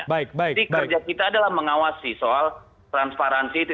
jadi kerja kita adalah mengawasi soal transparansi itu